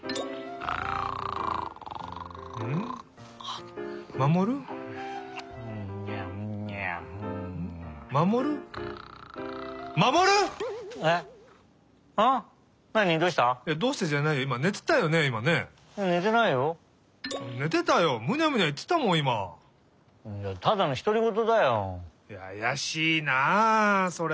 あやしいなあそれ。